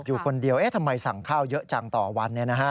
อยู่คนเดียวทำไมสั่งข้าวเยอะจังต่อวัน